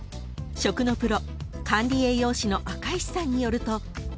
［食のプロ管理栄養士の赤石さんによると］